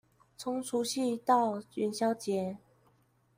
從除夕到元宵節